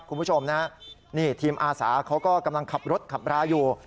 คุณผู้ชมนะนี่ทีมอาสาเขาก็กำลังขับรถขับราอยู่